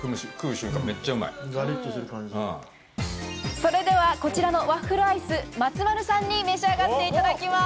それでは、こちらのワッフルアイス、松丸さんに召し上がっていただきます。